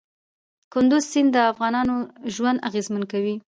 کندز سیند د افغانانو ژوند اغېزمن کوي.